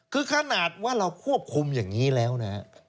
คือขนาดว่าเราควบคุมอย่างนี้แล้วนะฮะ